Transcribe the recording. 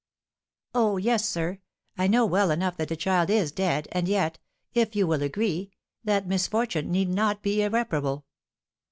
"Oh, yes, sir, I know well enough that the child is dead; and yet, if you will agree, that misfortune need not be irreparable."